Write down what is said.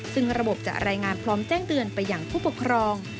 ซึ่งระบบจะรายงานพร้อมแจ้งเตือนไปอย่างผู้ปกครอง